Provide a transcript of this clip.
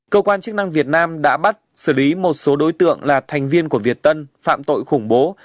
cơ quan chức năng việt nam đã bắt xử lý một số đối tượng là thành viên của việt tân phạm tội khủng bố